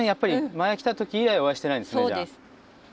前来た時以来お会いしてないんですねじゃあ。